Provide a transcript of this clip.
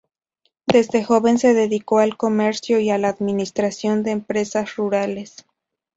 Desde joven se dedicó al comercio y a la administración de empresas rurales.